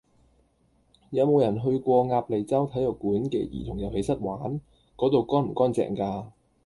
有無人去過鴨脷洲體育館嘅兒童遊戲室玩？嗰度乾唔乾淨㗎？